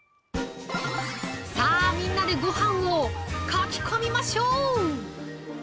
さあ、みんなでごはんをかき込みましょう！